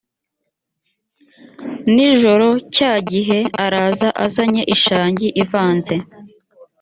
nijoro cya gihe araza azanye ishangi ivanze